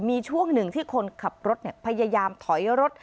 มีช่วงหนึ่งที่คนขับรถพยายามถอยรถ